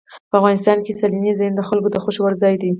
افغانستان کې سیلانی ځایونه د خلکو د خوښې وړ ځای دی.